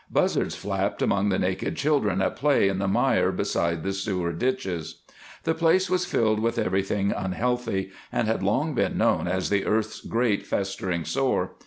Buzzards flapped among the naked children at play in the mire beside the sewer ditches. The place was filled with everything unhealthy, and had long been known as the earth's great festering sore.